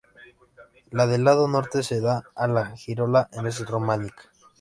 La del lado norte que da a la girola es románica.